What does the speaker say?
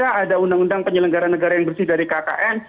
ada undang undang penyelenggara negara yang bersih dari kkn